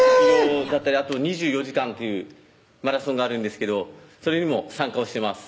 あと２４時間というマラソンがあるんですけどそれにも参加をしてます